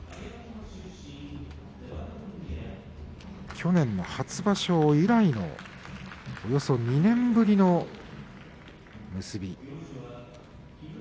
去年の初場所以来のおよそ２年ぶりの結び。